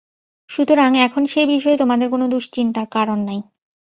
সুতরাং এখন সে বিষয়ে তোমাদের কোন দুশ্চিন্তার কারণ নাই।